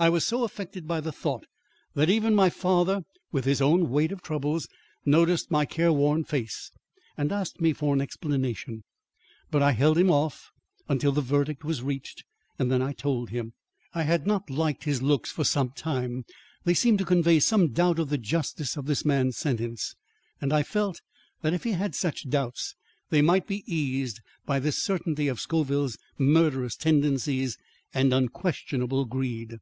I was so affected by the thought that even my father, with his own weight of troubles, noticed my care worn face and asked me for an explanation. But I held him off until the verdict was reached, and then I told him. I had not liked his looks for some time; they seemed to convey some doubt of the justice of this man's sentence, and I felt that if he had such doubts, they might be eased by this certainty of Scoville's murderous tendencies and unquestionable greed.